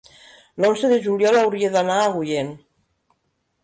L'onze de juliol hauria d'anar a Agullent.